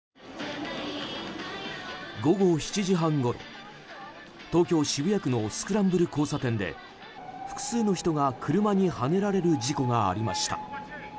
午後７時半ごろ、東京・渋谷区のスクランブル交差点で複数の人が車にはねられる事故がありました。